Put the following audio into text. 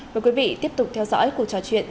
mời quý vị tiếp tục theo dõi cuộc trò chuyện